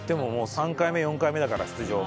３回目４回目だから出場も。